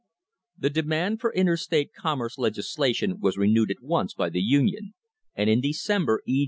The demand for interstate commerce legislation was re newed at once by the Union, and in December E.